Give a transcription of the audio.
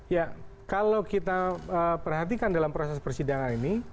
ya kalau kita perhatikan dalam proses persidangan ini